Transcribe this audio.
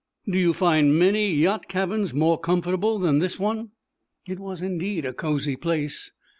Do you find many yacht cabins more comfortable than this one?" It was, indeed, a cozy place.